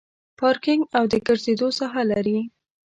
پارکینګ او د ګرځېدو ساحه لري.